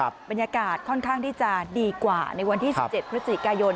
บรรยากาศค่อนข้างที่จะดีกว่าในวันที่๑๗พฤศจิกายน